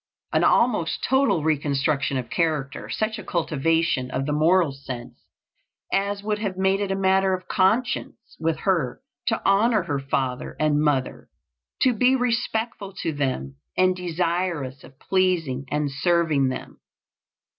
An almost total reconstruction of character; such a cultivation of the moral sense as would have made it a matter of conscience with her to "honor her father and mother," to be respectful to them and desirous of pleasing and serving them.